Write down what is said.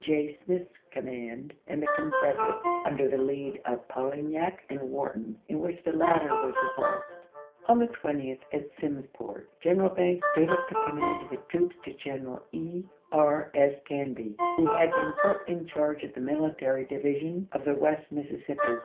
J. Smith's command and the Con federates under the lead of Polignac and Wharton in which the latter were repulsed. On the 20th, at Simsport, General Banks gave up the com mand of the troops to General E. E. S. Canby, who had been put in charge of the Military Divi sion of the West Mississippi.